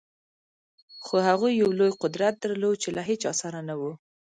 خو هغه یو لوی قدرت درلود چې له هېچا سره نه و